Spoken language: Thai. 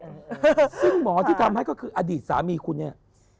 ซึ่งหมอที่ทำให้ก็คืออดีตสามีคุณเนี่ย